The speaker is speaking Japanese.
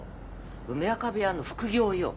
梅若部屋の副業よ。